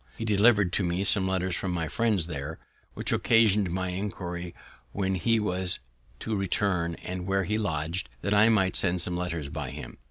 He delivered to me some letters from my friends there, which occasion'd my inquiring when he was to return, and where he lodg'd, that I might send some letters by him.